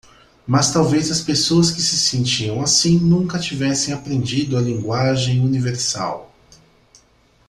Mas talvez as pessoas que se sentiam assim nunca tivessem aprendido a linguagem universal.